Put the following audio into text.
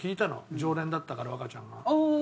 常連だったから和歌ちゃんが。